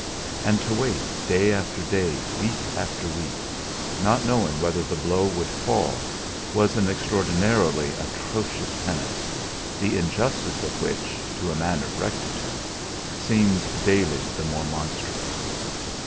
And to wait day after day, week after week, not knowing whether the blow would fall, was an extraordinarily atrocious penance, the injustice of which, to a man of rectitude, seemed daily the more monstrous.